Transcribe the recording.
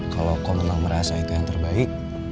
kalau kau memang merasa itu yang terbaik